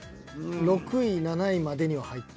６位７位までには入って。